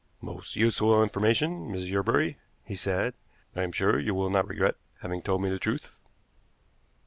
"Most useful information, Miss Yerbury," he said. "I am sure you will not regret having told me the truth."